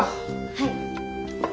はい。